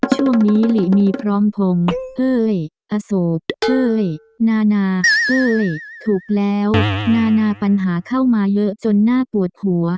ช่วงนี้หลีมีพร้อมพงศ์เอ้ยอโสดเอ้ยนานาเอ้ยถูกแล้วนานาปัญหาเข้ามาเยอะจนน่าปวดหัว